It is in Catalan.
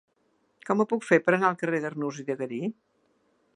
Com ho puc fer per anar al carrer d'Arnús i de Garí?